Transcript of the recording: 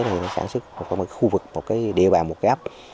thì nó sản xuất một khu vực một địa bàn một cái ấp